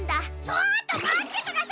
ちょっとまってください！